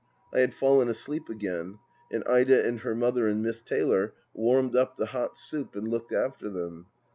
I had fallen asleep again, and Ida and her mother and Miss Taylor warmed up the hot soup and looked after them.